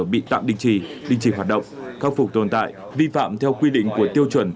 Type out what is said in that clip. bị tạm đinh trì đinh trì hoạt động khắc phục tồn tại vi phạm theo quy định của tiêu chuẩn